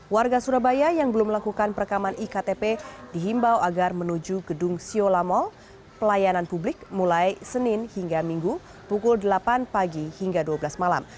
warga surabaya yang belum melakukan perekaman iktp dihimbau agar menuju gedung siola mall pelayanan publik mulai senin hingga minggu pukul delapan pagi hingga dua belas malam